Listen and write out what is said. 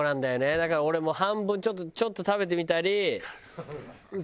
だから俺も半分ちょっと食べてみたり。